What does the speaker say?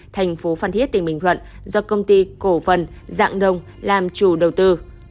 thành phố phan thiết tỉnh bình thuận do công ty cổ phần dạng đông làm chủ đầu tư